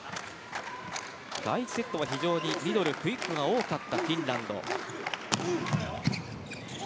第１セットはミドル、クイックが多かったフィンランド。